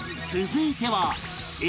続いては